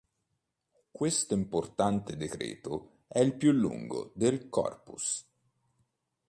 Questo importante decreto è il più lungo del "corpus".